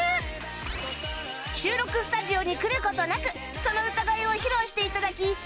収録スタジオに来る事なくその歌声を披露して頂き